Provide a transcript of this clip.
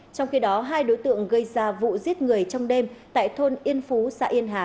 trong khi đó hai đối tượng gây ra vụ giết người trong đêm tại thôn yên phú xã yên hà